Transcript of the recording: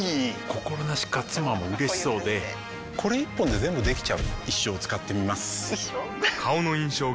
心なしか妻も嬉しそうでこれ一本で全部できちゃう一生使ってみます一生？